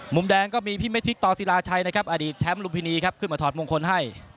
มุมแดงก็มีพี่เมฆพริกต่อศิลาชัยนะครับอดีตแชมป์ลุมพินีครับขึ้นมาถอดมงคลให้